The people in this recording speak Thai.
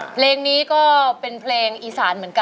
เพลงนี้ก็เป็นเพลงอีสานเหมือนกัน